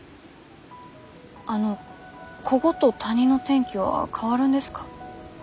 あのこごと谷の天気は変わるんですか？